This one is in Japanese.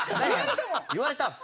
言われたの。